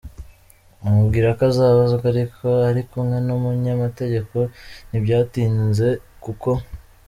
amubwira ko azabazwa aruko ari kumwe n’umunyamategeko, ntibyatinze kuko